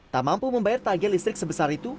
tak mampu membayar tagihan listrik sebesar itu